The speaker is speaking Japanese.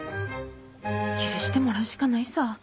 許してもらうしかないさぁ。